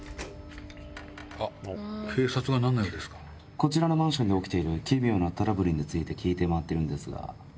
こちらのマンションで起きている奇妙なトラブルについて聞いて回ってるんですが。